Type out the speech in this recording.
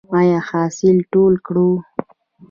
آیا حاصل ټول کړو؟